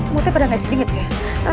mata pada gak isi binget sih